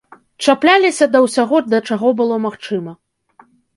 Чапляліся да ўсяго, да чаго было магчыма.